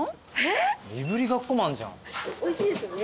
おいしいですよね。